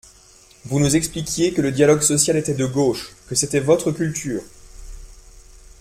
Vous nous expliquiez que le dialogue social était de gauche, que c’était votre culture.